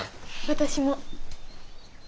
私も。